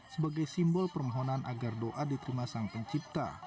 sebagai simbol permohonan agar doa diterima sang pencipta